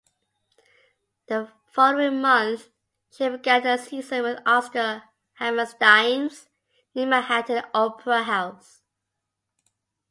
The following month, she began a season with Oscar Hammerstein's new Manhattan Opera House.